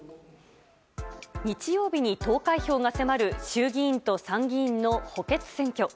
日曜日に投開票が迫る衆議院と参議院の補欠選挙。